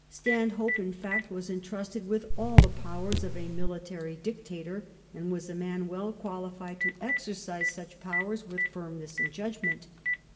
Stanhope, in fact, was entrusted with all the powers of a miUtary dictator, and was a man well qualified to exercise 1714 ATTERBURY STILL UNBAUNTED. 367 such powers with firmness and judgment.